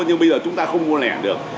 nhưng bây giờ chúng ta không mua lẻ được